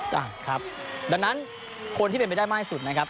จ้ะครับดังนั้นคนที่เป็นไปได้มากที่สุดนะครับ